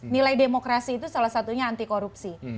nilai demokrasi itu salah satunya anti korupsi